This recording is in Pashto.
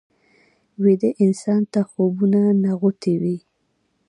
ویده انسان ته خوبونه نغوتې وي